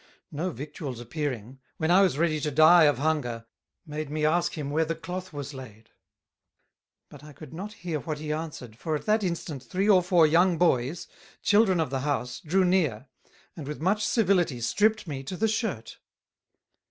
No Victuals appearing, when I was ready to die of Hunger, made me ask him where the Cloath was laid: But I could not hear what he answered, for at that instant Three or Four young Boys, Children of the House, drew near, and with much Civility stript me to the Shirt.